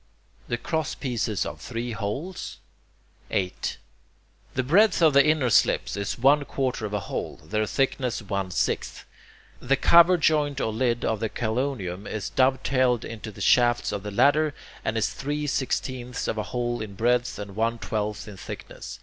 the crosspieces of three holes? 8. The breadth of the inner slips is one quarter of a hole; their thickness one sixth. The cover joint or lid of the chelonium is dove tailed into the shafts of the ladder, and is three sixteenths of a hole in breadth and one twelfth in thickness.